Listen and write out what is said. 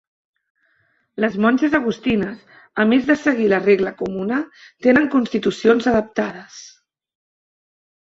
Les monges agustines, a més de seguir la regla comuna, tenen constitucions adaptades.